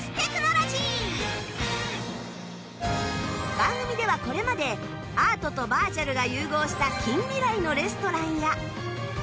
番組ではこれまでアートとバーチャルが融合した近未来のレストランや